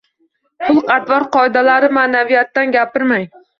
Xulq-atvor qoidalari, ma’naviyatdan gapirmang.